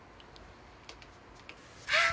「あっ！